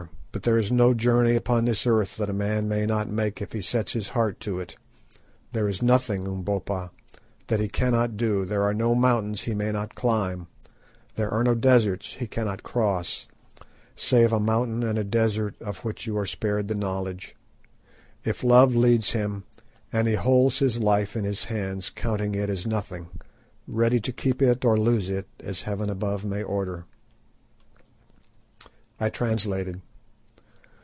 But there is no journey upon this earth that a man may not make if he sets his heart to it. There is nothing, Umbopa, that he cannot do, there are no mountains he may not climb, there are no deserts he cannot cross, save a mountain and a desert of which you are spared the knowledge, if love leads him and he holds his life in his hands counting it as nothing, ready to keep it or lose it as Heaven above may order." I translated.